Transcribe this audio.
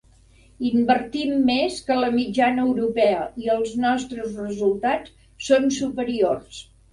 Invertim més que la mitjana europea i els nostres resultats són superiors.